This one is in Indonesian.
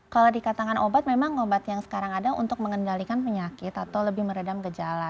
kalau dikatakan obat memang obat yang sekarang ada untuk mengendalikan penyakit atau lebih meredam gejala